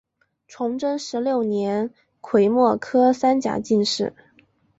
崇祯十六年癸未科三甲进士。